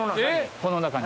この中に。